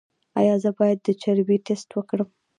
ایا زه باید د چربي ټسټ وکړم؟